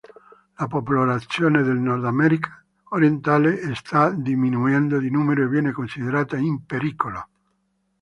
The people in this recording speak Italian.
La popolazione del Nordamerica orientale sta diminuendo di numero e viene considerata in pericolo.